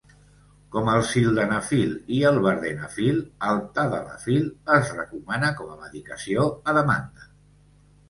Com el sildenafil i el vardenafil, el tadalafil es recomana com a medicació "a demanda".